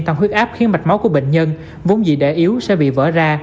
tăng huyết áp khiến mạch máu của bệnh nhân vốn dị đẻ yếu sẽ bị vỡ ra